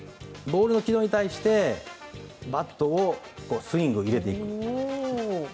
ボールの軌道に対してバットスイングを入れていく。